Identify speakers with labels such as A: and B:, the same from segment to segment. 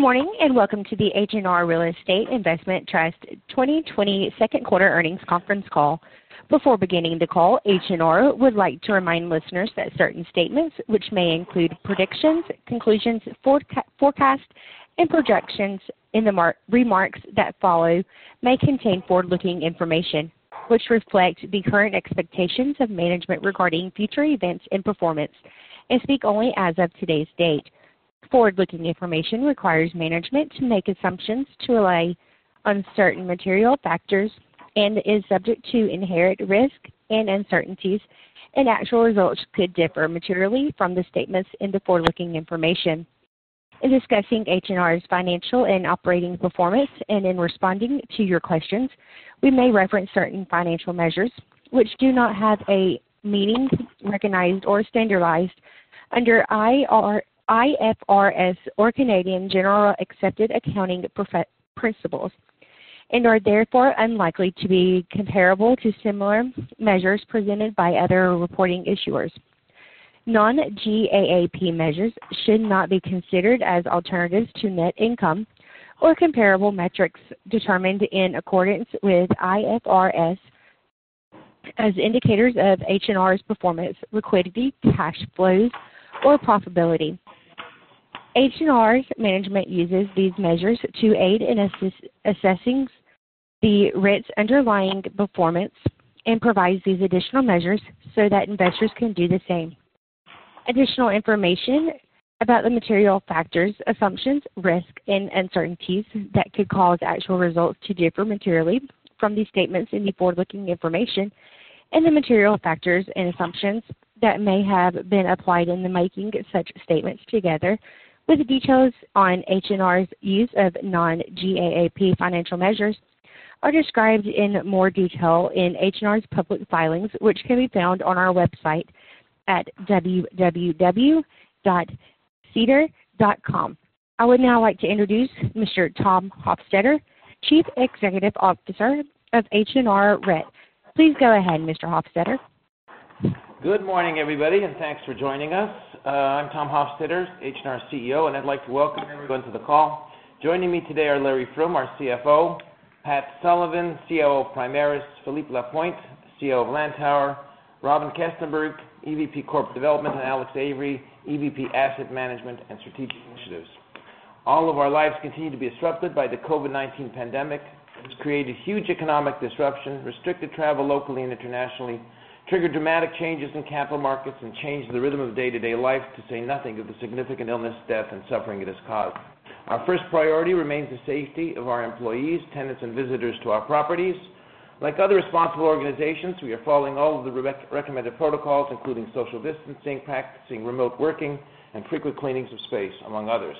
A: Good morning, and welcome to the H&R Real Estate Investment Trust 2020 second quarter earnings conference call. Before beginning the call, H&R would like to remind listeners that certain statements which may include predictions, conclusions, forecasts, and projections in the remarks that follow may contain forward-looking information, which reflect the current expectations of management regarding future events and performance, and speak only as of today's date. Forward-looking information requires management to make assumptions to rely on certain material factors and is subject to inherent risks and uncertainties, and actual results could differ materially from the statements in the forward-looking information. In discussing H&R's financial and operating performance, and in responding to your questions, we may reference certain financial measures which do not have a meaning recognized or standardized under IFRS or Canadian Generally Accepted Accounting Principles, and are therefore unlikely to be comparable to similar measures presented by other reporting issuers. Non-GAAP measures should not be considered as alternatives to net income or comparable metrics determined in accordance with IFRS as indicators of H&R's performance, liquidity, cash flows, or profitability. H&R's management uses these measures to aid in assessing the REIT's underlying performance and provides these additional measures so that investors can do the same. Additional information about the material factors, assumptions, risks, and uncertainties that could cause actual results to differ materially from these statements in the forward-looking information and the material factors and assumptions that may have been applied in the making of such statements together with the details on H&R's use of non-GAAP financial measures are described in more detail in H&R's public filings, which can be found on our website at www.hr-reit.com. I would now like to introduce Mr. Tom Hofstedter, Chief Executive Officer of H&R REIT. Please go ahead, Mr. Hofstedter.
B: Good morning, everybody, and thanks for joining us. I'm Tom Hofstedter, H&R CEO, and I'd like to welcome everyone to the call. Joining me today are Larry Froom, our CFO, Pat Sullivan, COO of Primaris, Philippe Lapointe, CEO of Lantower, Robyn Kestenberg, EVP Corporate Development, and Alex Avery, EVP Asset Management and Strategic Initiatives. All of our lives continue to be disrupted by the COVID-19 pandemic. It's created huge economic disruption, restricted travel locally and internationally, triggered dramatic changes in capital markets, and changed the rhythm of day-to-day life to say nothing of the significant illness, death, and suffering it has caused. Our first priority remains the safety of our employees, tenants, and visitors to our properties. Like other responsible organizations, we are following all of the recommended protocols, including social distancing, practicing remote working, and frequent cleanings of space, among others.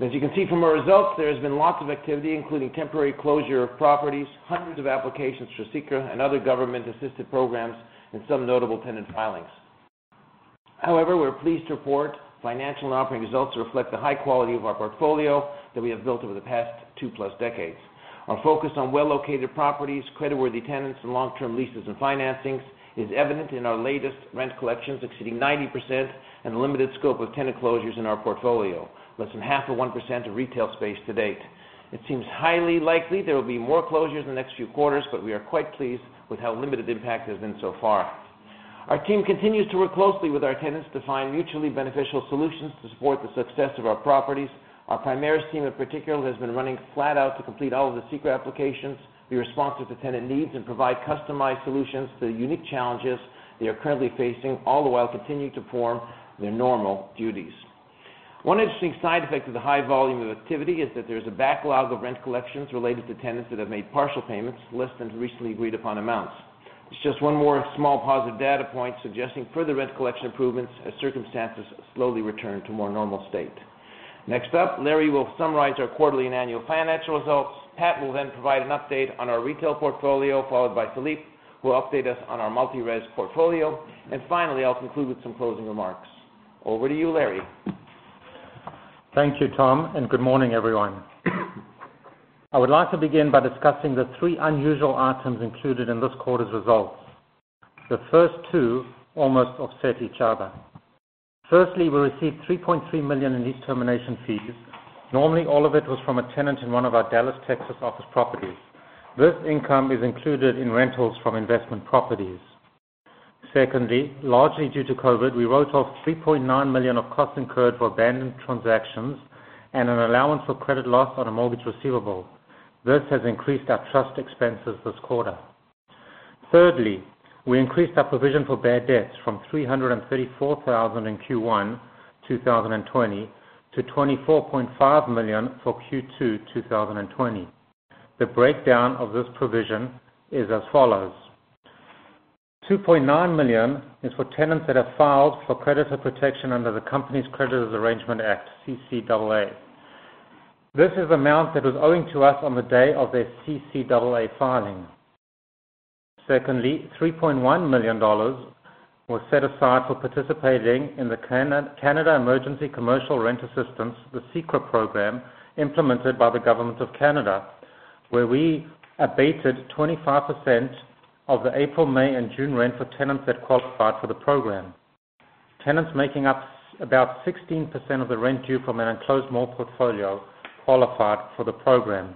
B: As you can see from our results, there has been lots of activity, including temporary closure of properties, hundreds of applications for CECRA and other government-assisted programs, and some notable tenant filings. However, we're pleased to report financial and operating results reflect the high quality of our portfolio that we have built over the past two-plus decades. Our focus on well-located properties, creditworthy tenants, and long-term leases and financings is evident in our latest rent collections exceeding 90% and the limited scope of tenant closures in our portfolio, less than half of 1% of retail space to date. It seems highly likely there will be more closures in the next few quarters, but we are quite pleased with how limited the impact has been so far. Our team continues to work closely with our tenants to find mutually beneficial solutions to support the success of our properties. Our Primaris team in particular has been running flat out to complete all of the CECRA applications. We respond to the tenant needs and provide customized solutions to the unique challenges they are currently facing, all the while continuing to perform their normal duties. One interesting side effect of the high volume of activity is that there's a backlog of rent collections related to tenants that have made partial payments less than recently agreed-upon amounts. It's just one more small positive data point suggesting further rent collection improvements as circumstances slowly return to a more normal state. Next up, Larry will summarize our quarterly and annual financial results. Pat will then provide an update on our retail portfolio, followed by Philippe, who will update us on our multi-res portfolio. Finally, I'll conclude with some closing remarks. Over to you, Larry.
C: Thank you, Tom, and good morning, everyone. I would like to begin by discussing the three unusual items included in this quarter's results. The first two almost offset each other. Firstly, we received 3.3 million in lease termination fees. Normally, all of it was from a tenant in one of our Dallas, Texas office properties. This income is included in rentals from investment properties. Secondly, largely due to COVID, we wrote off 3.9 million of costs incurred for abandoned transactions and an allowance for credit loss on a mortgage receivable. This has increased our trust expenses this quarter. Thirdly, we increased our provision for bad debts from 334,000 in Q1 2020 to 24.5 million for Q2 2020. The breakdown of this provision is as follows. 2.9 million is for tenants that have filed for creditor protection under the Companies' Creditors Arrangement Act, CCAA. This is the amount that was owing to us on the day of their CCAA filing. Secondly, 3.1 million dollars was set aside for participating in the Canada Emergency Commercial Rent Assistance, the CECRA program, implemented by the government of Canada, where we abated 25% of the April, May, and June rent for tenants that qualified for the program. Tenants making up about 16% of the rent due from an enclosed mall portfolio qualified for the program.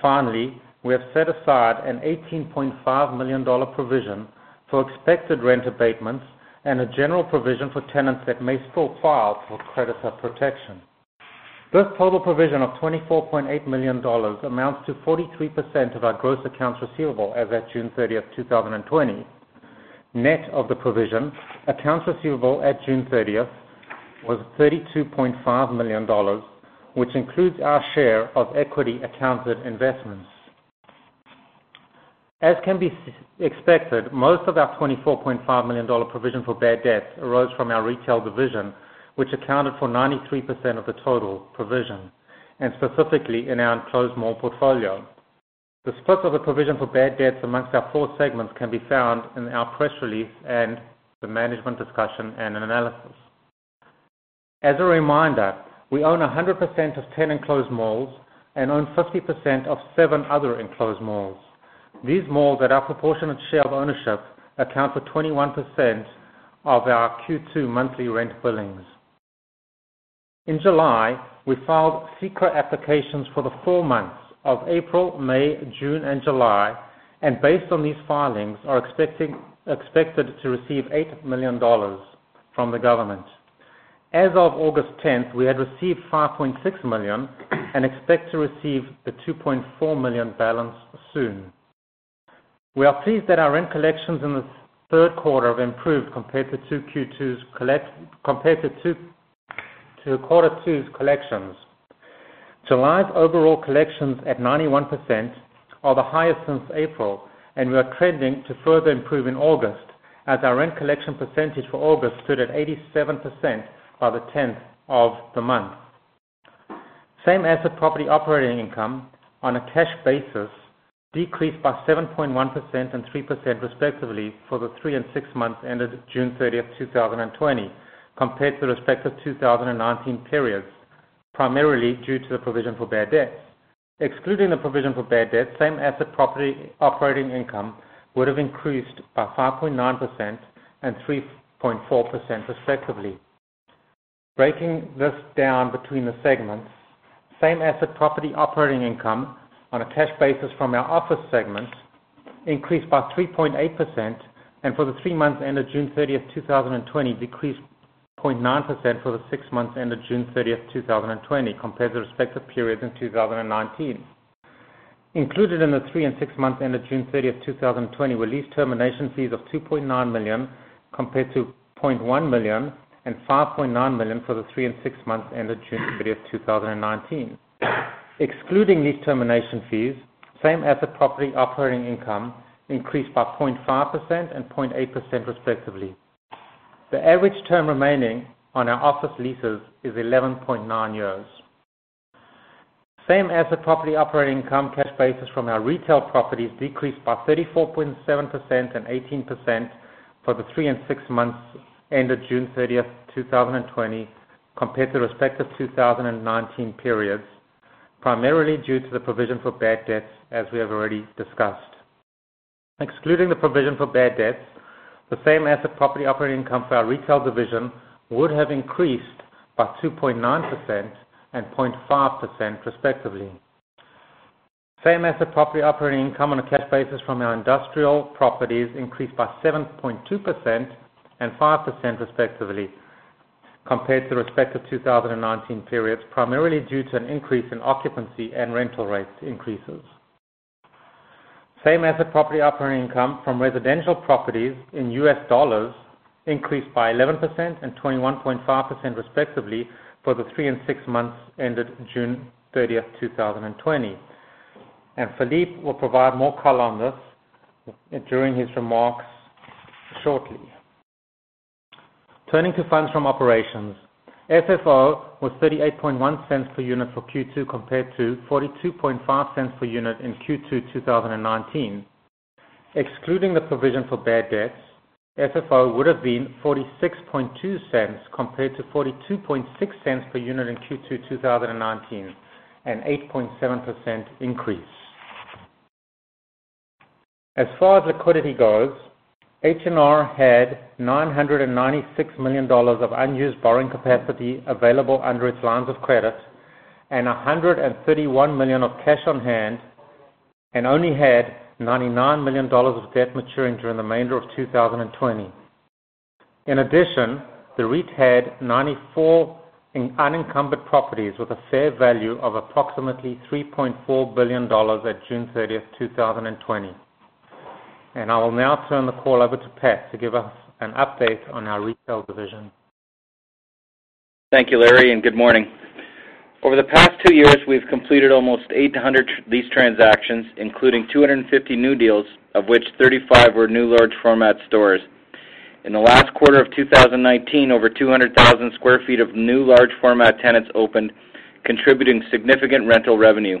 C: Finally, we have set aside a 18.5 million dollar provision for expected rent abatements and a general provision for tenants that may still file for creditor protection. This total provision of 24.8 million dollars amounts to 43% of our gross accounts receivable as at June 30th, 2020. Net of the provision, accounts receivable at June 30th was 32.5 million dollars, which includes our share of equity accounted investments. As can be expected, most of our 24.5 million dollar provision for bad debts arose from our retail division, which accounted for 93% of the total provision, and specifically in our enclosed mall portfolio. The split of the provision for bad debts amongst our four segments can be found in our press release and the management discussion and analysis. As a reminder, we own 100% of 10 enclosed malls and own 50% of seven other enclosed malls. These malls at our proportionate share of ownership account for 21% of our Q2 monthly rent billings. In July, we filed CECRA applications for the full months of April, May, June, and July, and based on these filings are expected to receive 8 million dollars from the government. As of August 10th, we had received 5.6 million and expect to receive the 2.4 million balance soon. We are pleased that our rent collections in the third quarter have improved compared to quarter two's collections. July's overall collections at 91% are the highest since April, and we are trending to further improve in August, as our rent collection percentage for August stood at 87% by the 10th of the month. Same asset property operating income on a cash basis decreased by 7.1% and 3% respectively for the three and six months ended June 30th, 2020, compared to respective 2019 periods, primarily due to the provision for bad debts. Excluding the provision for bad debts, same as the property operating income would have increased by 5.9% and 3.4% respectively. Breaking this down between the segments, same as the property operating income on a cash basis from our office segment increased by 3.8% and for the three months ended June 30th, 2020 decreased 0.9% for the six months ended June 30th, 2020 compared to respective periods in 2019. Included in the three and six months ended June 30th, 2020 were lease termination fees of 2.9 million compared to 0.1 million and 5.9 million for the three and six months ended June 30th, 2019. Excluding lease termination fees, same as the property operating income increased by 0.5% and 0.8% respectively. The average term remaining on our office leases is 11.9 years. Same as the property operating income cash basis from our retail properties decreased by 34.7% and 18% for the three and six months ended June 30th, 2020 compared to respective 2019 periods, primarily due to the provision for bad debts, as we have already discussed. Excluding the provision for bad debts, the same as the property operating income for our retail division would have increased by 2.9% and 0.5% respectively. Same as the property operating income on a cash basis from our industrial properties increased by 7.2% and 5% respectively compared to respective 2019 periods, primarily due to an increase in occupancy and rental rates increases. Same as the property operating income from residential properties in U.S. dollars increased by 11% and 21.5% respectively for the three and six months ended June 30th, 2020. Philippe will provide more color on this during his remarks shortly. Turning to funds from operations. FFO was 0.381 per unit for Q2 compared to 0.425 per unit in Q2 2019. Excluding the provision for bad debts, FFO would have been 0.462 compared to 0.426 per unit in Q2 2019, an 8.7% increase. As far as liquidity goes, H&R had 996 million dollars of unused borrowing capacity available under its lines of credit and 131 million of cash on hand and only had 99 million dollars of debt maturing during the remainder of 2020. In addition, the REIT had 94 unencumbered properties with a fair value of approximately 3.4 billion dollars at June 30th, 2020. I will now turn the call over to Pat to give us an update on our retail division.
D: Thank you, Larry, and good morning. Over the past two years, we've completed almost 800 lease transactions, including 250 new deals, of which 35 were new large format stores. In the last quarter of 2019, over 200,000 sq ft of new large format tenants opened, contributing significant rental revenue.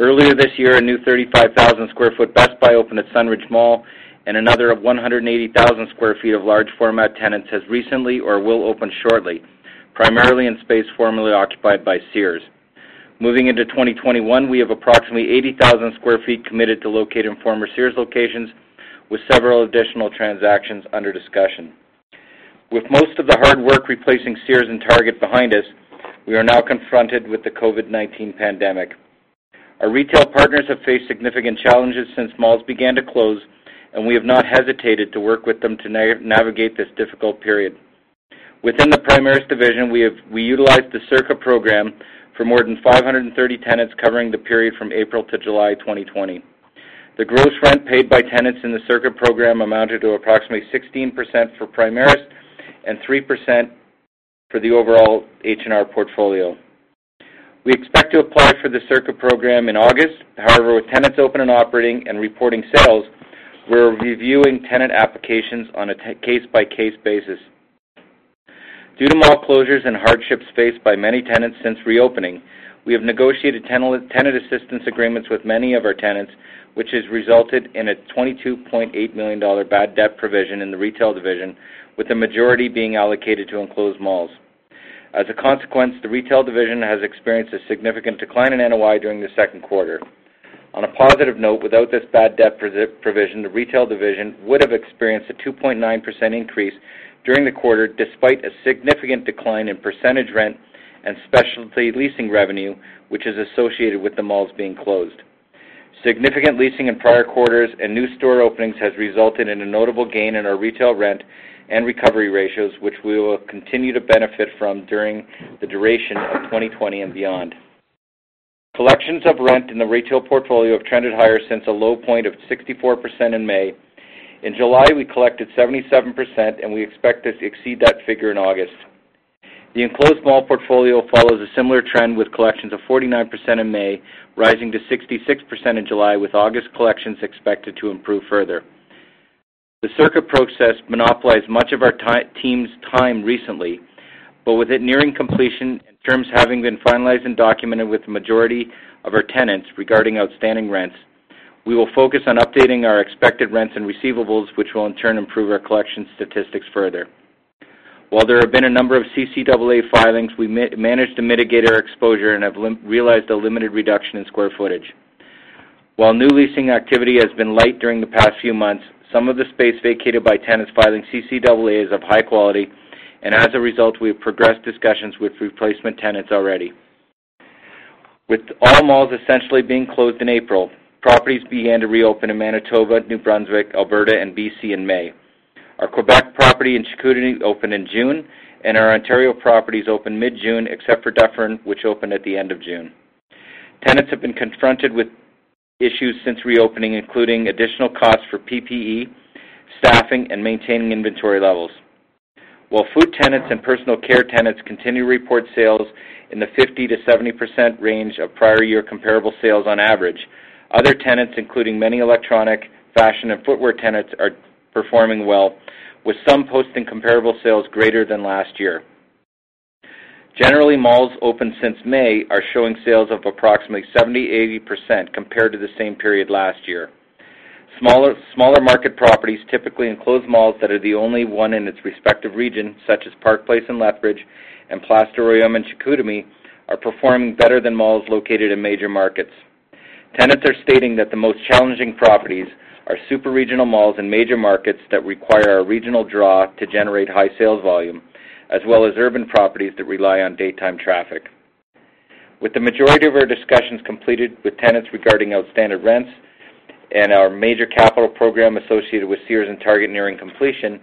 D: Earlier this year, a new 35,000 sq ft Best Buy opened at Sunridge Mall and another of 180,000 sq ft of large format tenants has recently or will open shortly, primarily in space formerly occupied by Sears. Moving into 2021, we have approximately 80,000 sq ft committed to locate in former Sears locations, with several additional transactions under discussion. With most of the hard work replacing Sears and Target behind us, we are now confronted with the COVID-19 pandemic. Our retail partners have faced significant challenges since malls began to close, and we have not hesitated to work with them to navigate this difficult period. Within the Primaris division, we utilized the CECRA program for more than 530 tenants covering the period from April to July 2020. The gross rent paid by tenants in the CECRA program amounted to approximately 16% for Primaris and 3% for the overall H&R portfolio. We expect to apply for the CECRA program in August. However, with tenants open and operating and reporting sales, we're reviewing tenant applications on a case-by-case basis. Due to mall closures and hardships faced by many tenants since reopening, we have negotiated tenant assistance agreements with many of our tenants, which has resulted in a 22.8 million dollar bad debt provision in the retail division, with the majority being allocated to enclosed malls. As a consequence, the retail division has experienced a significant decline in NOI during the second quarter. On a positive note, without this bad debt provision, the retail division would have experienced a 2.9% increase during the quarter, despite a significant decline in percentage rent and specialty leasing revenue, which is associated with the malls being closed. Significant leasing in prior quarters and new store openings has resulted in a notable gain in our retail rent and recovery ratios, which we will continue to benefit from during the duration of 2020 and beyond. Collections of rent in the retail portfolio have trended higher since a low point of 64% in May. In July, we collected 77%, and we expect to exceed that figure in August. The enclosed mall portfolio follows a similar trend with collections of 49% in May, rising to 66% in July, with August collections expected to improve further. The CECRA process monopolized much of our team's time recently, but with it nearing completion and terms having been finalized and documented with the majority of our tenants regarding outstanding rents, we will focus on updating our expected rents and receivables, which will in turn improve our collection statistics further. While there have been a number of CCAA filings, we managed to mitigate our exposure and have realized a limited reduction in square footage. While new leasing activity has been light during the past few months, some of the space vacated by tenants filing CCAA is of high quality, and as a result, we have progressed discussions with replacement tenants already. With all malls essentially being closed in April, properties began to reopen in Manitoba, New Brunswick, Alberta, and B.C. in May. Our Quebec property in Chicoutimi opened in June, and our Ontario properties opened mid-June, except for Dufferin, which opened at the end of June. Tenants have been confronted with issues since reopening, including additional costs for PPE, staffing, and maintaining inventory levels. While food tenants and personal care tenants continue to report sales in the 50%-70% range of prior year comparable sales on average, other tenants, including many electronic, fashion, and footwear tenants, are performing well, with some posting comparable sales greater than last year. Generally, malls opened since May are showing sales of approximately 70%-80% compared to the same period last year. Smaller market properties, typically enclosed malls that are the only one in its respective region, such as Park Place in Lethbridge and Place du Royaume in Chicoutimi, are performing better than malls located in major markets. Tenants are stating that the most challenging properties are super-regional malls in major markets that require a regional draw to generate high sales volume, as well as urban properties that rely on daytime traffic. With the majority of our discussions completed with tenants regarding outstanding rents and our major capital program associated with Sears and Target nearing completion,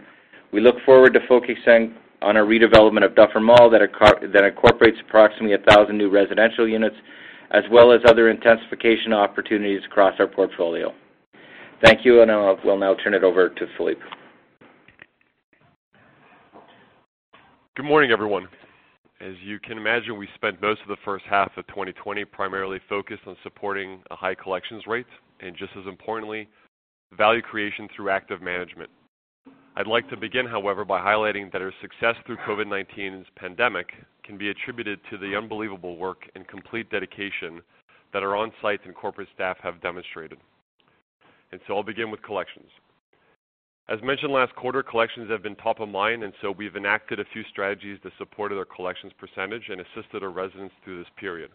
D: we look forward to focusing on a redevelopment of Dufferin Mall that incorporates approximately 1,000 new residential units, as well as other intensification opportunities across our portfolio. Thank you. I will now turn it over to Philippe.
E: Good morning, everyone. As you can imagine, we spent most of the first half of 2020 primarily focused on supporting high collections rates and just as importantly, value creation through active management. I'd like to begin, however, by highlighting that our success through COVID-19's pandemic can be attributed to the unbelievable work and complete dedication that our on-site and corporate staff have demonstrated. I'll begin with collections. As mentioned last quarter, collections have been top of mind, and so we've enacted a few strategies that supported our collections percentage and assisted our residents through this period.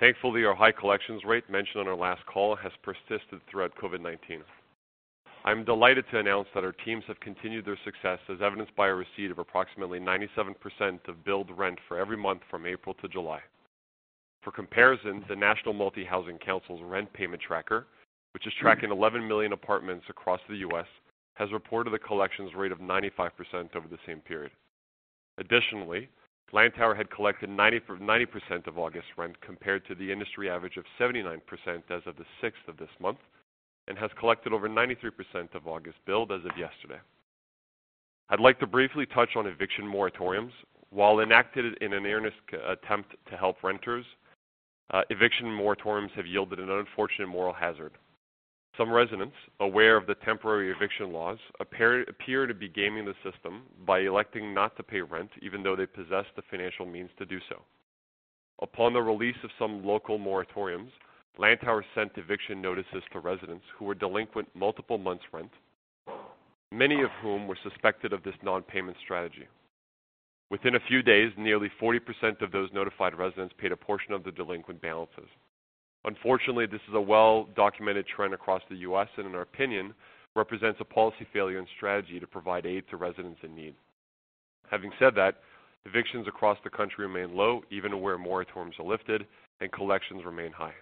E: Thankfully, our high collections rate mentioned on our last call has persisted throughout COVID-19. I'm delighted to announce that our teams have continued their success, as evidenced by a receipt of approximately 97% of billed rent for every month from April to July. For comparison, the National Multifamily Housing Council's rent payment tracker, which is tracking 11 million apartments across the U.S., has reported a collections rate of 95% over the same period. Additionally, Lantower had collected 90% of August rent, compared to the industry average of 79% as of the sixth of this month, and has collected over 93% of August billed as of yesterday. I'd like to briefly touch on eviction moratoriums. While enacted in an earnest attempt to help renters, eviction moratoriums have yielded an unfortunate moral hazard. Some residents, aware of the temporary eviction laws, appear to be gaming the system by electing not to pay rent even though they possess the financial means to do so. Upon the release of some local moratoriums, Lantower sent eviction notices to residents who were delinquent multiple months rent. Many of whom were suspected of this non-payment strategy. Within a few days, nearly 40% of those notified residents paid a portion of the delinquent balances. Unfortunately, this is a well-documented trend across the U.S., and in our opinion, represents a policy failure and strategy to provide aid to residents in need. Having said that, evictions across the country remain low, even where moratoriums are lifted, and collections remain high.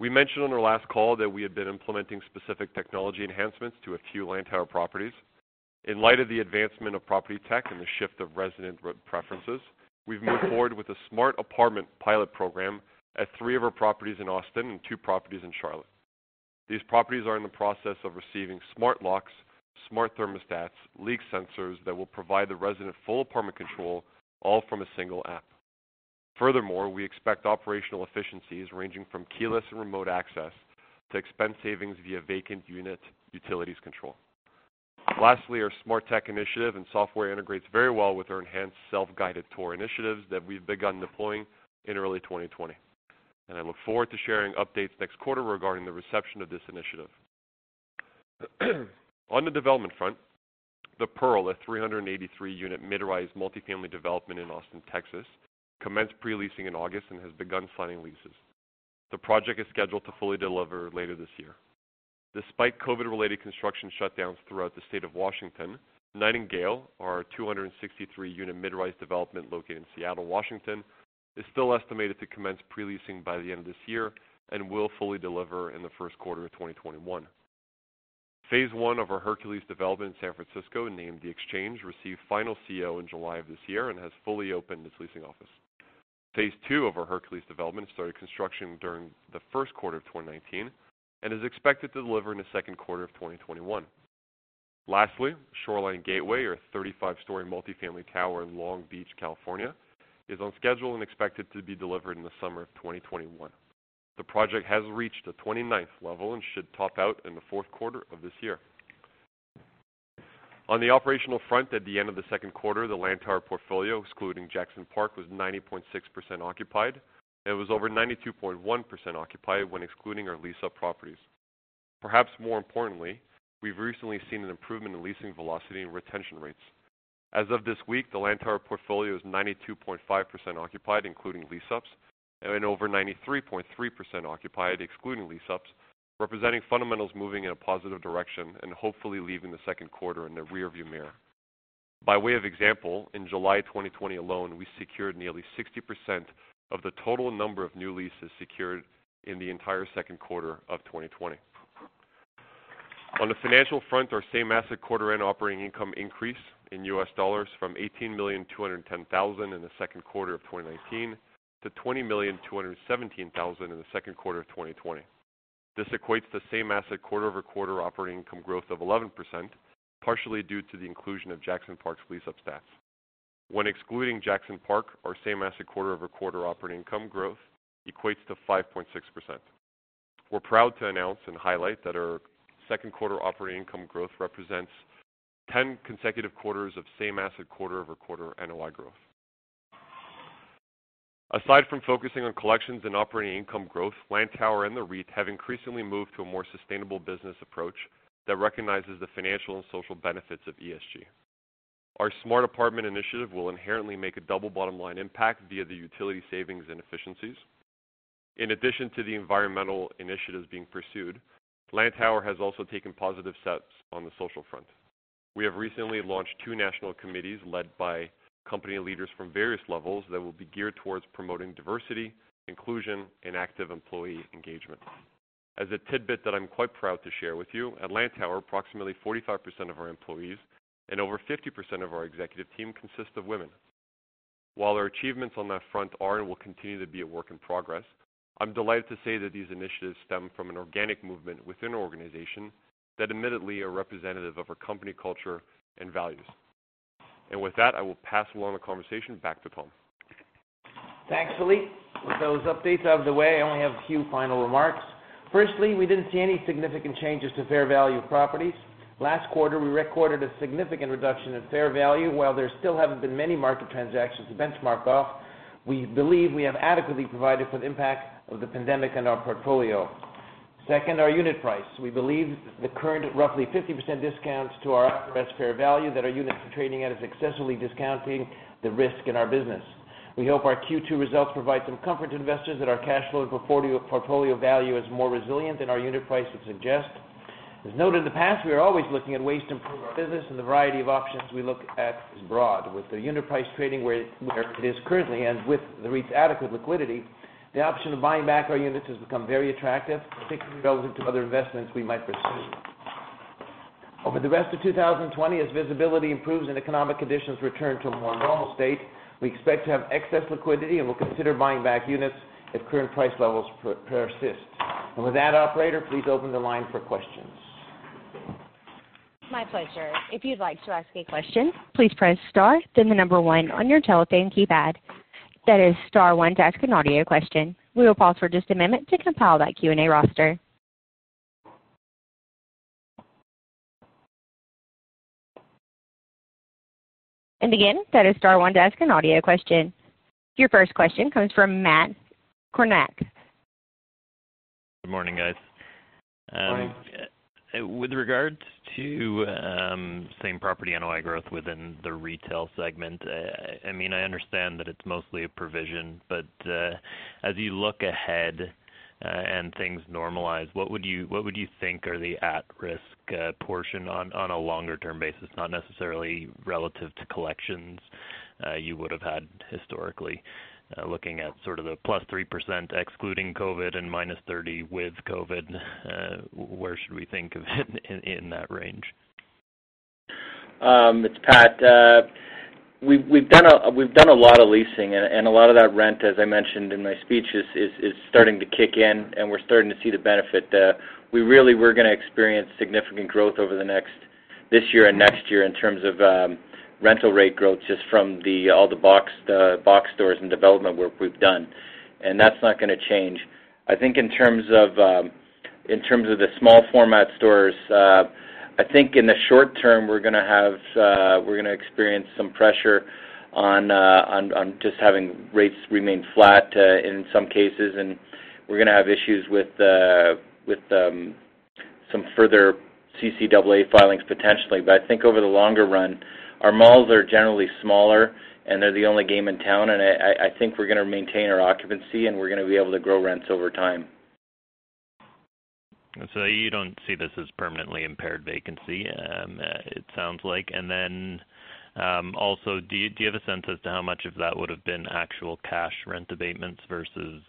E: We mentioned on our last call that we had been implementing specific technology enhancements to a few Lantower properties. In light of the advancement of property tech and the shift of resident preferences, we've moved forward with a smart apartment pilot program at three of our properties in Austin and two properties in Charlotte. These properties are in the process of receiving smart locks, smart thermostats, leak sensors that will provide the resident full apartment control, all from a single app. Furthermore, we expect operational efficiencies ranging from keyless and remote access to expense savings via vacant unit utilities control. Lastly, our smart tech initiative and software integrate very well with our enhanced self-guided tour initiatives that we've begun deploying in early 2020, and I look forward to sharing updates next quarter regarding the reception of this initiative. On the development front, The Pearl, a 383-unit mid-rise multifamily development in Austin, Texas, commenced pre-leasing in August and has begun signing leases. The project is scheduled to fully deliver later this year. Despite COVID-related construction shutdowns throughout the state of Washington, Nightingale, our 263-unit mid-rise development located in Seattle, Washington, is still estimated to commence pre-leasing by the end of this year and will fully deliver in the first quarter of 2021. Phase I of our Hercules development in San Francisco, named The Exchange, received final CO in July of this year and has fully opened its leasing office. Phase II of our Hercules development started construction during the first quarter of 2019 and is expected to deliver in the second quarter of 2021. Shoreline Gateway, our 35-story multifamily tower in Long Beach, California, is on schedule and expected to be delivered in the summer of 2021. The project has reached the 29th level and should top out in the fourth quarter of this year. On the operational front, at the end of the second quarter, the Lantower portfolio, excluding Jackson Park, was 90.6% occupied. It was over 92.1% occupied when excluding our lease-up properties. Perhaps more importantly, we've recently seen an improvement in leasing velocity and retention rates. As of this week, the Lantower portfolio is 92.5% occupied including lease-ups, and over 93.3% occupied excluding lease-ups, representing fundamentals moving in a positive direction and hopefully leaving the second quarter in the rear view mirror. By way of example, in July 2020 alone, we secured nearly 60% of the total number of new leases secured in the entire second quarter of 2020. On the financial front, our same-asset quarter end operating income increase in US dollars from $18,210,000 in the second quarter of 2019 to $20,217,000 in the second quarter of 2020. This equates to same-asset quarter-over-quarter operating income growth of 11%, partially due to the inclusion of Jackson Park's lease-up stats. When excluding Jackson Park, our same-asset quarter-over-quarter operating income growth equates to 5.6%. We're proud to announce and highlight that our second quarter operating income growth represents 10 consecutive quarters of same-asset quarter-over-quarter NOI growth. Aside from focusing on collections and operating income growth, Lantower and the REIT have increasingly moved to a more sustainable business approach that recognizes the financial and social benefits of ESG. Our smart apartment initiative will inherently make a double bottom line impact via the utility savings and efficiencies. In addition to the environmental initiatives being pursued, Lantower has also taken positive steps on the social front. We have recently launched two national committees led by company leaders from various levels that will be geared towards promoting diversity, inclusion, and active employee engagement. As a tidbit that I'm quite proud to share with you, at Lantower, approximately 45% of our employees and over 50% of our executive team consist of women. While our achievements on that front are and will continue to be a work in progress, I'm delighted to say that these initiatives stem from an organic movement within our organization that admittedly are representative of our company culture and values. With that, I will pass along the conversation back to Tom.
B: Thanks, Philippe. With those updates out of the way, I only have a few final remarks. We didn't see any significant changes to fair value properties. Last quarter, we recorded a significant reduction in fair value. While there still haven't been many market transactions to benchmark off, we believe we have adequately provided for the impact of the pandemic on our portfolio. Our unit price. We believe the current roughly 50% discounts to our at-rest fair value that our units are trading at is excessively discounting the risk in our business. We hope our Q2 results provide some comfort to investors that our cash flow and portfolio value is more resilient than our unit price would suggest. As noted in the past, we are always looking at ways to improve our business and the variety of options we look at is broad. With the unit price trading where it is currently and with the REIT's adequate liquidity, the option of buying back our units has become very attractive, particularly relative to other investments we might pursue. Over the rest of 2020, as visibility improves and economic conditions return to a more normal state, we expect to have excess liquidity and will consider buying back units if current price levels persist. With that, operator, please open the line for questions.
A: My pleasure. If you'd like to ask a question, please press star, then the number one on your telephone keypad. That is star one to ask an audio question. We will pause for just a moment to compile that Q&A roster. And again, that is star one to ask an audio question. Your first question comes from Matt Kornack.
F: Good morning, guys.
D: Morning.
F: With regards to same property NOI growth within the retail segment, I understand that it's mostly a provision, but as you look ahead and things normalize, what would you think are the at-risk portion on a longer-term basis, not necessarily relative to collections you would have had historically, looking at sort of the +3% excluding COVID and -30% with COVID, where should we think of it in that range?
D: It's Pat. We've done a lot of leasing and a lot of that rent, as I mentioned in my speech, is starting to kick in and we're starting to see the benefit. We really were going to experience significant growth over this year and next year in terms of rental rate growth just from all the box stores and development work we've done. That's not going to change. I think in terms of the small format stores, I think in the short term, we're going to experience some pressure on just having rates remain flat in some cases, and we're going to have issues with some further CCAA filings potentially. I think over the longer run, our malls are generally smaller and they're the only game in town, and I think we're going to maintain our occupancy and we're going to be able to grow rents over time.
F: You don't see this as permanently impaired vacancy, it sounds like. Also, do you have a sense as to how much of that would've been actual cash rent abatements versus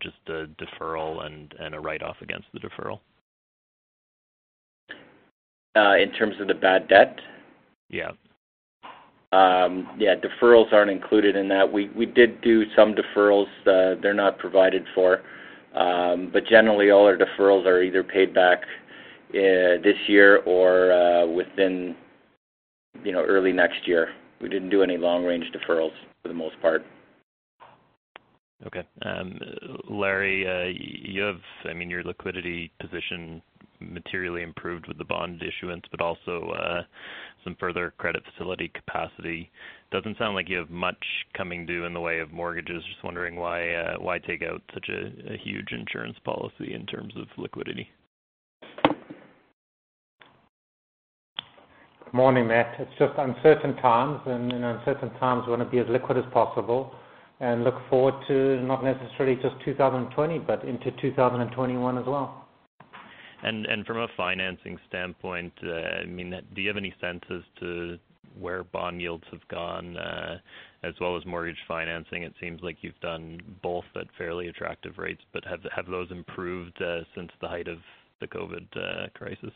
F: just a deferral and a write-off against the deferral?
D: In terms of the bad debt?
F: Yeah.
D: Yeah, deferrals aren't included in that. We did do some deferrals. They're not provided for. Generally, all our deferrals are either paid back this year or within early next year. We didn't do any long-range deferrals for the most part.
F: Okay. Larry, your liquidity position materially improved with the bond issuance, but also some further credit facility capacity. Doesn't sound like you have much coming due in the way of mortgages. Just wondering why take out such a huge insurance policy in terms of liquidity?
C: Good morning, Matt. It's just uncertain times, and in uncertain times we want to be as liquid as possible and look forward to not necessarily just 2020, but into 2021 as well.
F: From a financing standpoint, do you have any sense as to where bond yields have gone, as well as mortgage financing? It seems like you've done both at fairly attractive rates, but have those improved since the height of the COVID-19 crisis?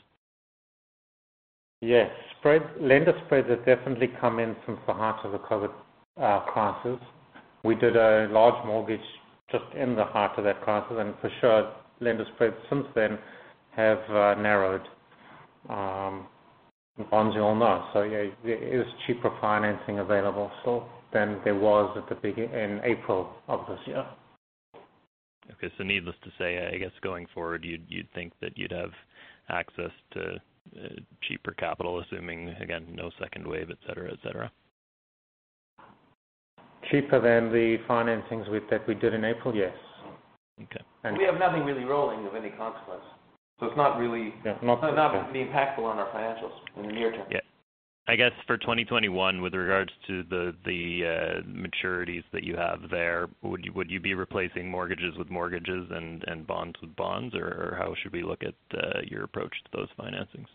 C: Yes. Lender spreads have definitely come in since the height of the COVID crisis. We did a large mortgage just in the height of that crisis, for sure, lender spreads since then have narrowed. Bonds, you all know. Yeah, there is cheaper financing available still than there was in April of this year.
F: Okay, needless to say, I guess going forward, you'd think that you'd have access to cheaper capital, assuming, again, no second wave, et cetera.
C: Cheaper than the financings that we did in April, yes.
F: Okay.
B: We have nothing really rolling of any consequence.
F: Yeah.
B: Going to be impactful on our financials in the near term.
F: Yeah. I guess for 2021, with regards to the maturities that you have there, would you be replacing mortgages with mortgages and bonds with bonds, or how should we look at your approach to those financings?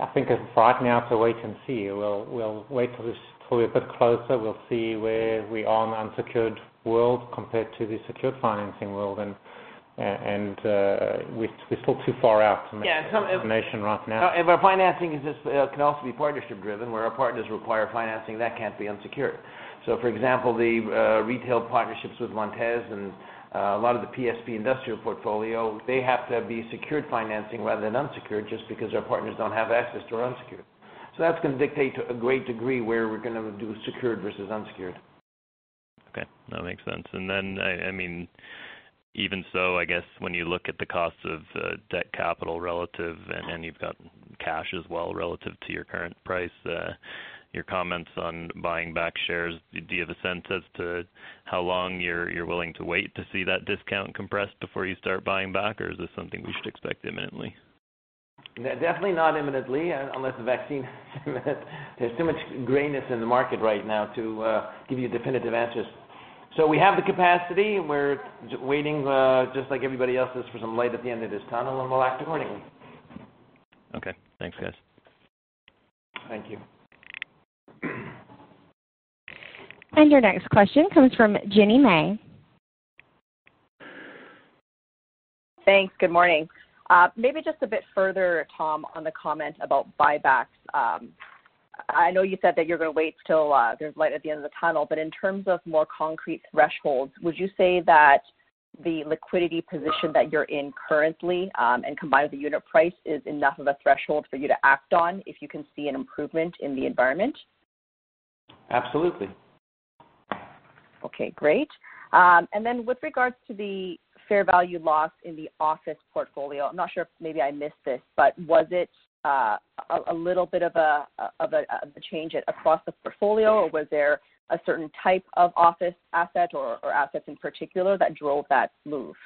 C: I think it's far too now to wait and see. We'll wait till this probably a bit closer. We'll see where we are in the unsecured world compared to the secured financing world, and we're still too far out.
B: Yeah.
F: A recommendation right now.
B: Our financing can also be partnership driven. Where our partners require financing, that can't be unsecured. For example, the retail partnerships with Montez and a lot of the PSP industrial portfolio, they have to be secured financing rather than unsecured just because our partners don't have access to unsecured. That's going to dictate to a great degree where we're going to do secured versus unsecured.
F: Okay. No, that makes sense. Even so, I guess when you look at the cost of debt capital relative, and you've got cash as well relative to your current price, your comments on buying back shares, do you have a sense as to how long you're willing to wait to see that discount compressed before you start buying back, or is this something we should expect imminently?
B: Definitely not imminently, unless a vaccine. There's too much grayness in the market right now to give you definitive answers. We have the capacity. We're waiting, just like everybody else is, for some light at the end of this tunnel, and we'll act accordingly.
F: Okay. Thanks, guys.
B: Thank you.
A: Your next question comes from Jenny Ma.
G: Thanks. Good morning. Just a bit further, Tom, on the comment about buybacks. I know you said that you're going to wait till there's light at the end of the tunnel, in terms of more concrete thresholds, would you say that the liquidity position that you're in currently, and combined with the unit price, is enough of a threshold for you to act on if you can see an improvement in the environment?
B: Absolutely.
G: Okay, great. Then with regards to the fair value loss in the office portfolio, I'm not sure if maybe I missed this, but was it a little bit of a change across the portfolio, or was there a certain type of office asset or assets in particular that drove that move?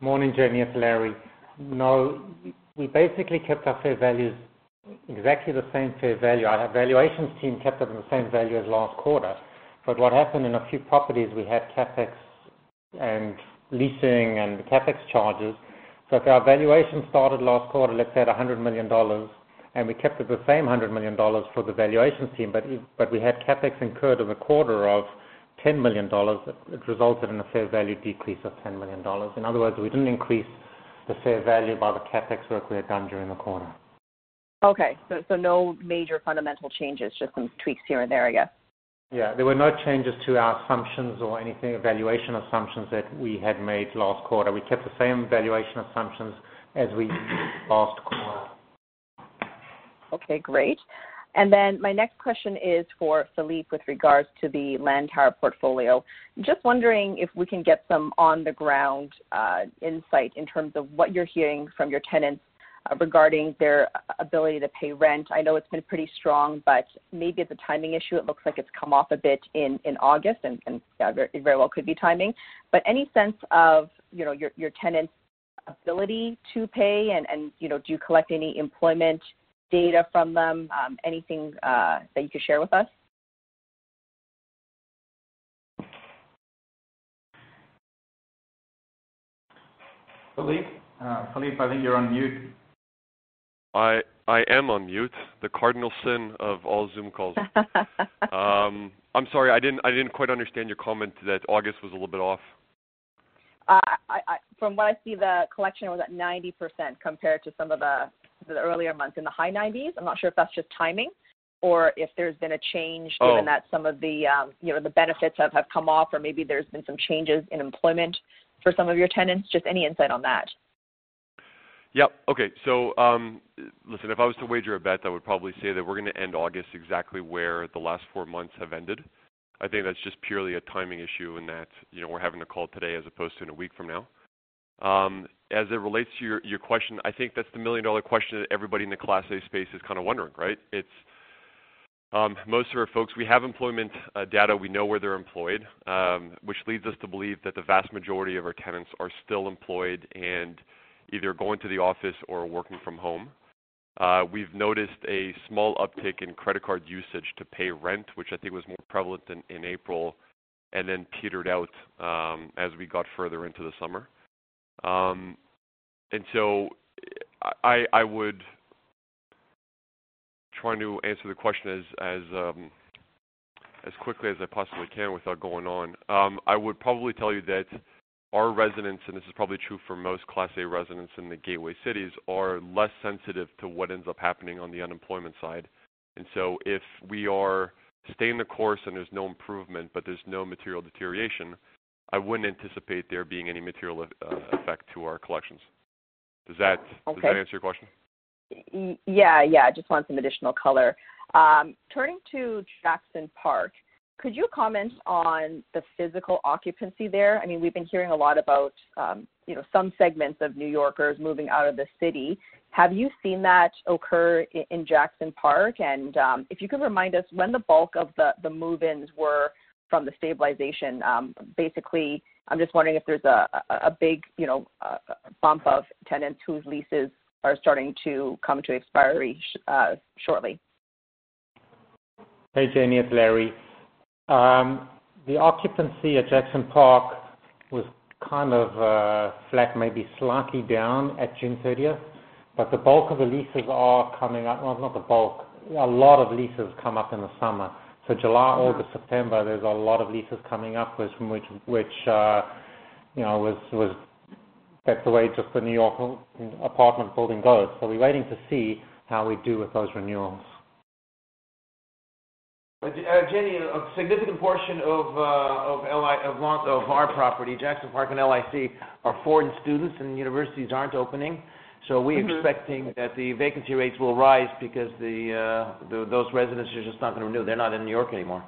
C: Morning, Jenny. It's Larry. No, we basically kept our fair values exactly the same fair value. Our valuations team kept it in the same value as last quarter. What happened in a few properties, we had CapEx and leasing and CapEx charges. If our valuation started last quarter, let's say at 100 million dollars, and we kept it the same 100 million dollars for the valuations team, but we had CapEx incurred in the quarter of 10 million dollars, it resulted in a fair value decrease of 10 million dollars. In other words, we didn't increase the fair value by the CapEx work we had done during the quarter.
G: Okay. No major fundamental changes, just some tweaks here and there, I guess.
C: Yeah. There were no changes to our assumptions or anything, valuation assumptions that we had made last quarter. We kept the same valuation assumptions as we last quarter.
G: Okay, great. My next question is for Philippe with regards to the Lantower portfolio. Just wondering if we can get some on-the-ground insight in terms of what you're hearing from your tenants regarding their ability to pay rent. I know it's been pretty strong, but maybe it's a timing issue. It looks like it's come off a bit in August, and it very well could be timing. Any sense of your tenants' ability to pay, and do you collect any employment data from them? Anything that you could share with us?
C: Philippe? Philippe, I think you're on mute.
E: I am on mute. The cardinal sin of all Zoom calls. I'm sorry, I didn't quite understand your comment that August was a little bit off.
G: From what I see, the collection was at 90% compared to some of the earlier months, in the high 90s. I'm not sure if that's just timing or if there's been a change.
E: Oh.
G: Given that some of the benefits have come off, or maybe there's been some changes in employment for some of your tenants. Just any insight on that.
E: Yep. Okay. Listen, if I was to wager a bet, I would probably say that we're going to end August exactly where the last four months have ended. I think that's just purely a timing issue in that we're having a call today as opposed to in a week from now. As it relates to your question, I think that's the million-dollar question that everybody in the Class A space is kind of wondering, right? Most of our folks, we have employment data. We know where they're employed. Which leads us to believe that the vast majority of our tenants are still employed and either going to the office or working from home. We've noticed a small uptick in credit card usage to pay rent, which I think was more prevalent in April, and then petered out as we got further into the summer. I would try to answer the question as quickly as I possibly can without going on. I would probably tell you that our residents, and this is probably true for most Class A residents in the gateway cities, are less sensitive to what ends up happening on the unemployment side. If we are staying the course and there's no improvement, but there's no material deterioration, I wouldn't anticipate there being any material effect to our collections. Does that answer your question?
G: Yeah. Just want some additional color. Turning to Jackson Park, could you comment on the physical occupancy there? We've been hearing a lot about some segments of New Yorkers moving out of the city. Have you seen that occur in Jackson Park? If you could remind us when the bulk of the move-ins were from the stabilization. Basically, I'm just wondering if there's a big bump of tenants whose leases are starting to come to expiry shortly.
C: Hey, Jenny. It's Larry. The occupancy at Jackson Park was kind of flat, maybe slightly down at June 30th. The bulk of the leases are coming up, well, not the bulk. A lot of leases come up in the summer. July, August, September, there's a lot of leases coming up, which that's the way just the New York apartment building goes. We're waiting to see how we do with those renewals.
B: Jenny, a significant portion of our property, Jackson Park and LIC, are foreign students, and universities aren't opening. We're expecting that the vacancy rates will rise because those residents are just not going to renew. They're not in New York anymore.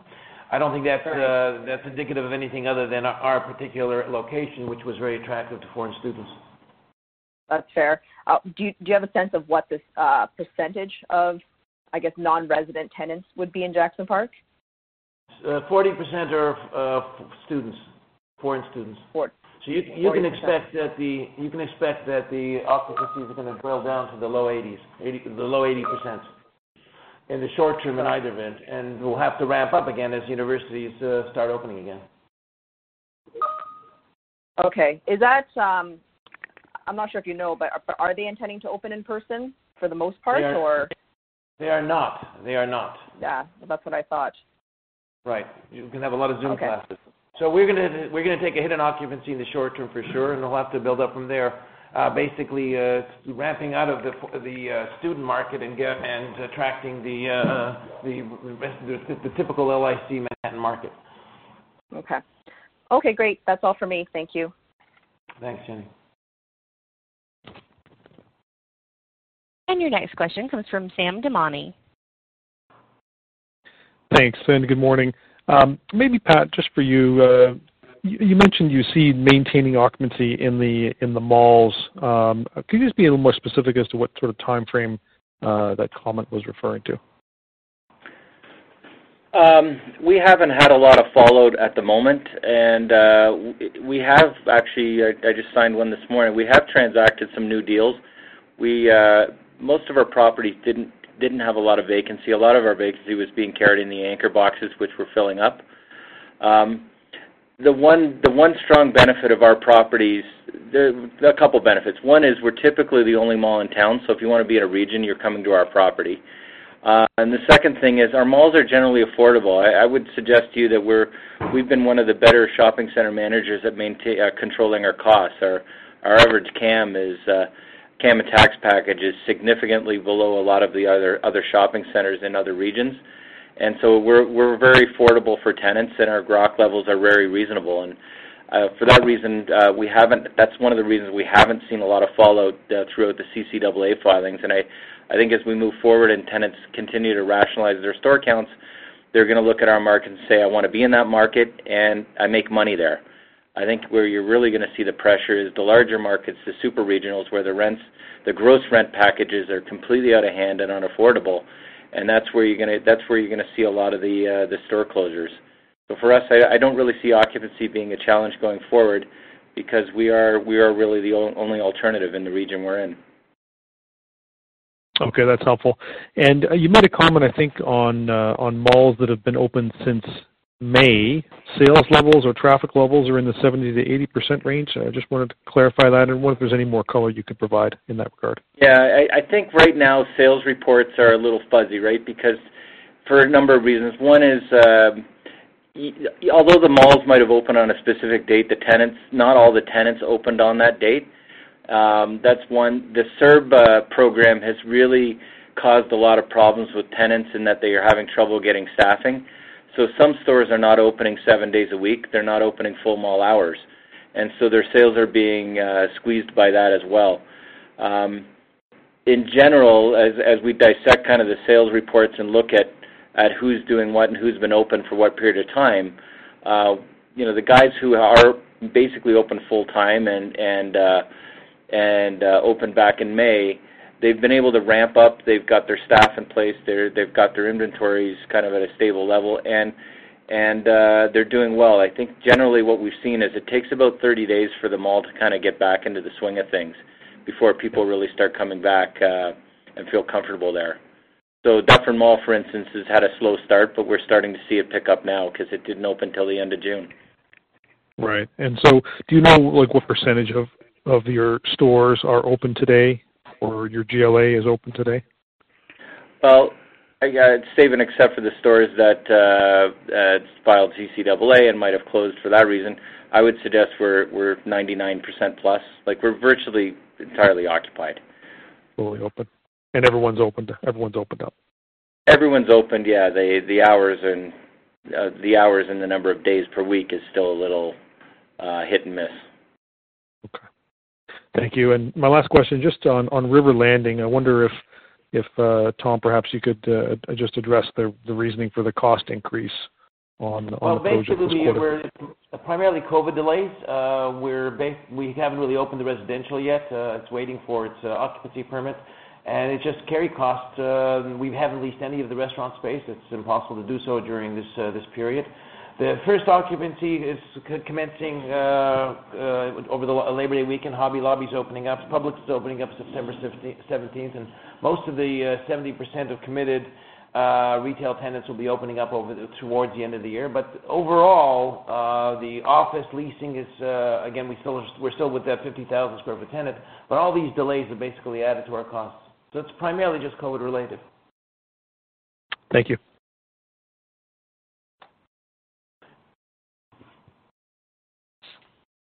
B: I don't think that's indicative of anything other than our particular location, which was very attractive to foreign students.
G: That's fair. Do you have a sense of what this percentage of non-resident tenants would be in Jackson Park?
B: 40% are students. Foreign students.
G: 40%.
B: You can expect that the occupancies are going to drill down to the low 80s. The low 80% in the short term in either event. We'll have to ramp up again as universities start opening again.
G: Okay. I'm not sure if you know, but are they intending to open in person for the most part, or?
B: They are not.
G: Yeah. That's what I thought.
B: Right. You're going to have a lot of Zoom classes.
G: Okay.
B: We're going to take a hit in occupancy in the short term for sure, and we'll have to build up from there. Basically ramping out of the student market and attracting the typical LIC Manhattan market.
G: Okay. Okay, great. That's all for me. Thank you.
B: Thanks, Jenny.
A: Your next question comes from Sam Damiani.
H: Thanks. Good morning. Maybe Pat, just for you mentioned you see maintaining occupancy in the malls. Could you just be a little more specific as to what sort of timeframe that comment was referring to?
D: We haven't had a lot of fallout at the moment, we have actually, I just signed one this morning, we have transacted some new deals. Most of our properties didn't have a lot of vacancy. A lot of our vacancy was being carried in the anchor boxes, which we're filling up. The one strong benefit of our properties, there are a couple benefits. One is we're typically the only mall in town, so if you want to be in a region, you're coming to our property. The second thing is our malls are generally affordable. I would suggest to you that we've been one of the better shopping center managers at controlling our costs. Our average CAM and tax package is significantly below a lot of the other shopping centers in other regions. We're very affordable for tenants, and our growth levels are very reasonable. For that reason, that's one of the reasons we haven't seen a lot of fallout throughout the CCAA filings. I think as we move forward and tenants continue to rationalize their store counts, they're going to look at our market and say, "I want to be in that market, and I make money there." I think where you're really going to see the pressure is the larger markets, the super regionals, where the gross rent packages are completely out of hand and unaffordable, and that's where you're going to see a lot of the store closures. For us, I don't really see occupancy being a challenge going forward because we are really the only alternative in the region we're in.
H: Okay, that's helpful. You made a comment, I think, on malls that have been open since May. Sales levels or traffic levels are in the 70%-80% range. I just wanted to clarify that, and I wonder if there's any more color you could provide in that regard.
D: Yeah, I think right now sales reports are a little fuzzy, because for a number of reasons. One is, although the malls might have opened on a specific date, not all the tenants opened on that date. That's one. The CERB program has really caused a lot of problems with tenants in that they are having trouble getting staffing. Some stores are not opening seven days a week. They're not opening full mall hours. Their sales are being squeezed by that as well. In general, as we dissect kind of the sales reports and look at who's doing what and who's been open for what period of time, the guys who are basically open full time and opened back in May, they've been able to ramp up. They've got their staff in place. They've got their inventories kind of at a stable level, and they're doing well. I think generally what we've seen is it takes about 30 days for the mall to kind of get back into the swing of things before people really start coming back, and feel comfortable there. Dufferin Mall, for instance, has had a slow start, but we're starting to see it pick up now because it didn't open until the end of June.
H: Right. Do you know what percentage of your stores are open today, or your GLA is open today?
D: Save and except for the stores that filed CCAA and might have closed for that reason, I would suggest we're 99%+. We're virtually entirely occupied.
H: Fully open. Everyone's opened up?
D: Everyone's opened, yeah. The hours and the number of days per week is still a little hit-and-miss.
H: Okay. Thank you. My last question, just on River Landing, I wonder if, Tom, perhaps you could just address the reasoning for the cost increase on the closure of this quarter.
B: Basically, we're primarily COVID delays. We haven't really opened the residential yet. It's waiting for its occupancy permit, and it's just carry costs. We haven't leased any of the restaurant space. It's impossible to do so during this period. The first occupancy is commencing over the Labor Day weekend. Hobby Lobby's opening up. Publix is opening up September 17th, and most of the 70% of committed retail tenants will be opening up towards the end of the year. Overall, the office leasing is, again, we're still with that 50,000 sq ft tenant, but all these delays have basically added to our costs. It's primarily just COVID-related.
H: Thank you.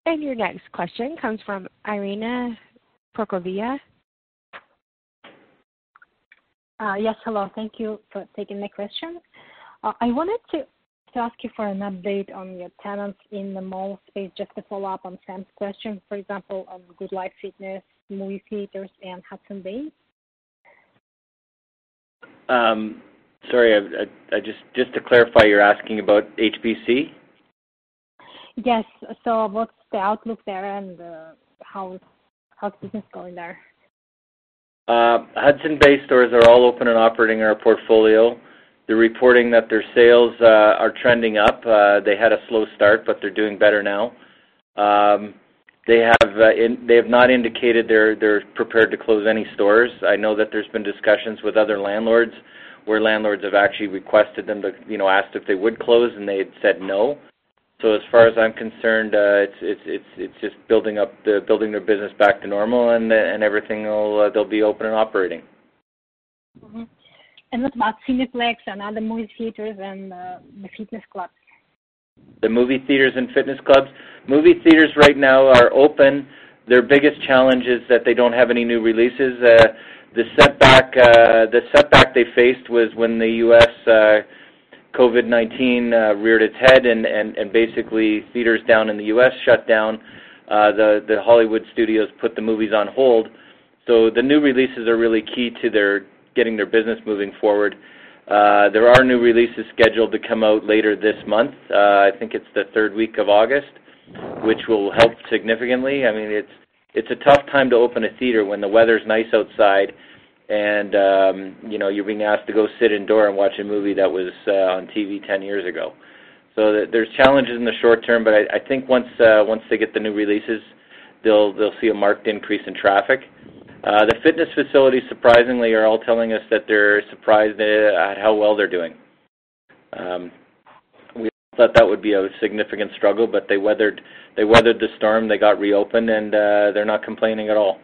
A: Your next question comes from Irina Prokofieva.
I: Yes, hello. Thank you for taking my question. I wanted to ask you for an update on your tenants in the mall space, just to follow up on Sam's question, for example, on GoodLife Fitness, movie theaters, and Hudson's Bay.
D: Sorry, just to clarify, you're asking about HBC?
I: Yes. What's the outlook there and how's business going there?
D: Hudson's Bay stores are all open and operating in our portfolio. They're reporting that their sales are trending up. They had a slow start, they're doing better now. They have not indicated they're prepared to close any stores. I know that there's been discussions with other landlords where landlords have actually requested them to, asked if they would close, and they had said no. As far as I'm concerned, it's just building their business back to normal, and everything will be open and operating.
I: What about Cineplex and other movie theaters and the fitness clubs?
D: The movie theaters and fitness clubs. Movie theaters right now are open. Their biggest challenge is that they don't have any new releases. The setback they faced was when the U.S. COVID-19 reared its head and basically theaters down in the U.S. shut down. The Hollywood studios put the movies on hold. The new releases are really key to getting their business moving forward. There are new releases scheduled to come out later this month. I think it's the third week of August, which will help significantly. It's a tough time to open a theater when the weather's nice outside and you're being asked to go sit indoor and watch a movie that was on TV 10 years ago. There's challenges in the short term, but I think once they get the new releases, they'll see a marked increase in traffic. The fitness facilities surprisingly are all telling us that they're surprised at how well they're doing. We thought that would be a significant struggle, but they weathered the storm. They got reopened, and they're not complaining at all.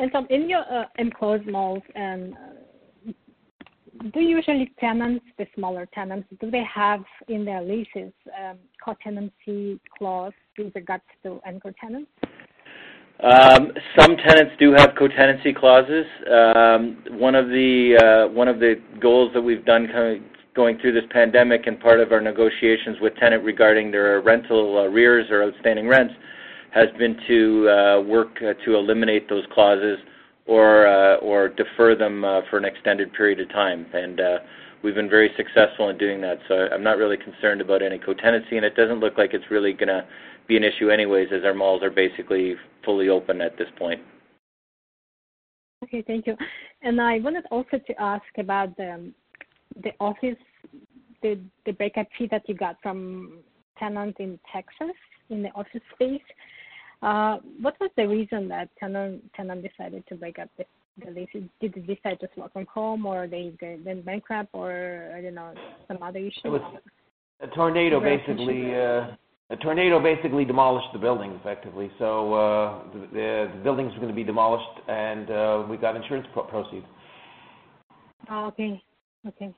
I: Okay. In your enclosed malls, do you usually tenants, the smaller tenants, do they have in their leases co-tenancy clause with regards to anchor tenants?
D: Some tenants do have co-tenancy clauses. One of the goals that we've done going through this pandemic and part of our negotiations with tenant regarding their rental arrears or outstanding rents, has been to work to eliminate those clauses or defer them for an extended period of time. We've been very successful in doing that. I'm not really concerned about any co-tenancy, and it doesn't look like it's really going to be an issue anyways, as our malls are basically fully open at this point.
I: Okay, thank you. I wanted also to ask about the office, the breakup fee that you got from tenants in Texas in the office space. What was the reason that tenant decided to break up the leases? Did they decide to work from home, or they went bankrupt, or, I don't know, some other issue?
B: It was a tornado, basically. A tornado basically demolished the building effectively. The buildings were going to be demolished, and we got insurance proceeds.
I: Oh, okay. Okay.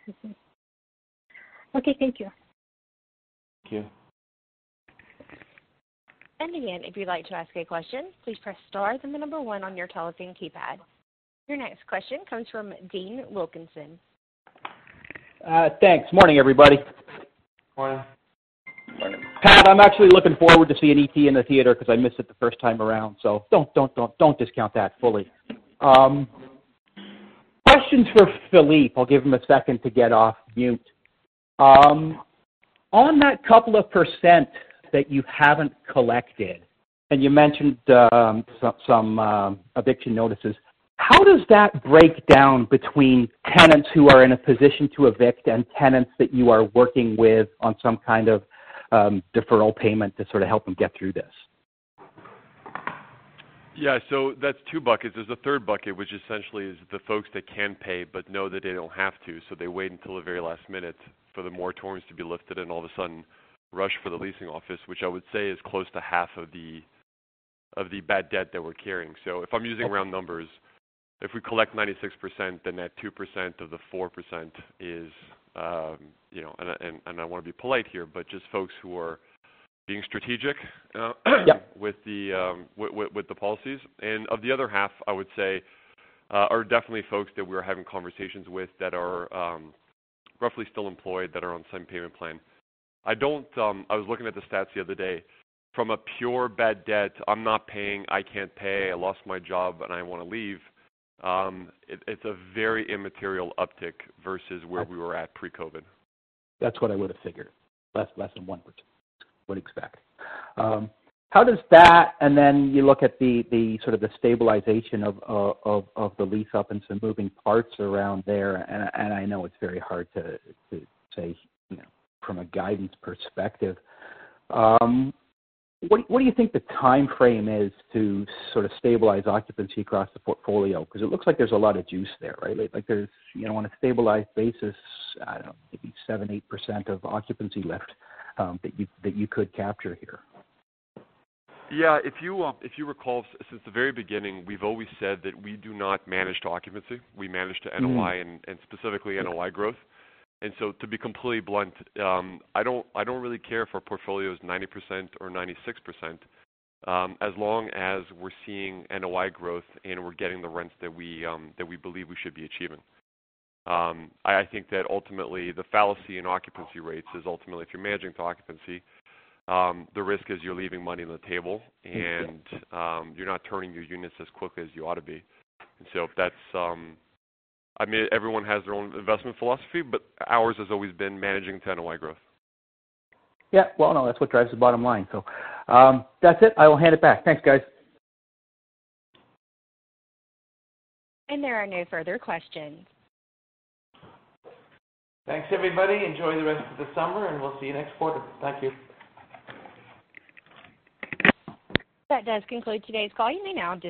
I: Okay, thank you.
B: Thank you.
A: And again, if you would like to ask a question, please press star then the number one on your telephone keypad. Your next question comes from Dean Wilkinson.
J: Thanks. Morning, everybody.
B: Morning.
J: Morning. Pat, I'm actually looking forward to seeing E.T. in the theater because I missed it the first time around, don't discount that fully. Questions for Philippe. I'll give him a second to get off mute. On that couple of percent that you haven't collected, you mentioned some eviction notices, how does that break down between tenants who are in a position to evict and tenants that you are working with on some kind of deferral payment to sort of help them get through this?
E: That's two buckets. There's a third bucket, which essentially is the folks that can pay but know that they don't have to, so they wait until the very last minute for the moratoriums to be lifted and all of a sudden rush for the leasing office, which I would say is close to half of the bad debt that we're carrying. If I'm using round numbers, if we collect 96%, then that 2% of the 4% is, and I want to be polite here, but just folks who are being strategic.
J: Yeah.
E: With the policies. Of the other half, I would say, are definitely folks that we're having conversations with that are roughly still employed that are on some payment plan. I was looking at the stats the other day. From a pure bad debt, I'm not paying, I can't pay, I lost my job, and I want to leave. It's a very immaterial uptick versus where we were at pre-COVID.
J: That's what I would've figured. Less than 1%, would expect. How does that, then you look at the sort of the stabilization of the lease-up and some moving parts around there, and I know it's very hard to say from a guidance perspective. What do you think the timeframe is to sort of stabilize occupancy across the portfolio? It looks like there's a lot of juice there, right? Like, there's, on a stabilized basis, I don't know, maybe seven, 8% of occupancy left that you could capture here.
E: Yeah. If you recall since the very beginning, we've always said that we do not manage to occupancy. We manage to NOI. Specifically NOI growth. To be completely blunt, I don't really care if our portfolio is 90% or 96%, as long as we're seeing NOI growth and we're getting the rents that we believe we should be achieving. I think that ultimately the fallacy in occupancy rates is ultimately if you're managing to occupancy, the risk is you're leaving money on the table. You're not turning your units as quickly as you ought to be. Everyone has their own investment philosophy, but ours has always been managing to NOI growth.
J: Yeah. Well, no, that's what drives the bottom line. That's it. I will hand it back. Thanks, guys.
A: There are no further questions.
B: Thanks, everybody. Enjoy the rest of the summer, and we'll see you next quarter. Thank you.
A: That does conclude today's call. You may now disconnect.